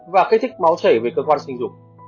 và kích thích máu rể về cơ quan sinh dục